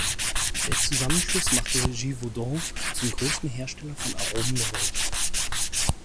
Der Zusammenschluss machte Givaudan zum größten Hersteller von Aromen der Welt.